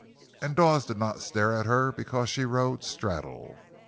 And Dawes did not stare at her because she rode "straddle."